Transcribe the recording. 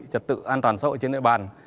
trật tự an toàn xã hội trên địa bàn